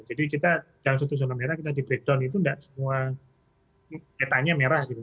jadi kita jangan satu satunya merah kita di breakdown itu nggak semua netanya merah gitu